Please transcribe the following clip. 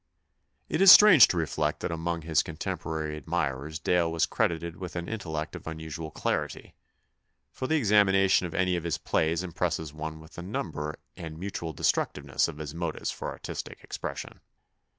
It is strange to reflect that among his con temporary admirers Dale was credited with an intellect of unusual clarity, for the exami nation of any of his plays impresses one with the number and mutual destructiveness of his motives for artistic expression.